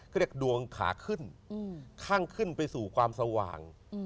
เขาเรียกดวงขาขึ้นข้างขึ้นไปสู่ความสว่าง